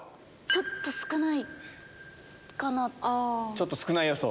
ちょっと少ない予想。